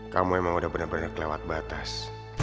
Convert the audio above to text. kamu emang udah benar benar kelewat batas